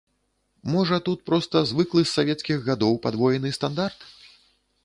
Можа тут проста звыклы з савецкіх гадоў падвоены стандарт?